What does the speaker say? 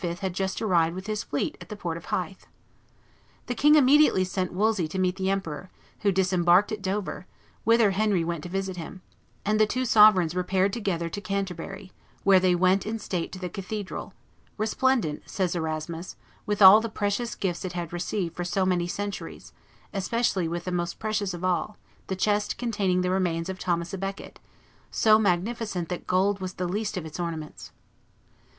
had just arrived with his fleet at the port of Hythe. The king immediately sent Wolsey to meet the emperor, who disembarked at Dover, whither Henry went to visit him; and the two sovereigns repaired together to Canterbury, where they went in state to the cathedral, "resplendent," says Erasmus, "with all the precious gifts it had received for so many centuries, especially with the most precious of all, the chest containing the remains of Thomas a Becket, so magnificent that gold was the least of its ornaments."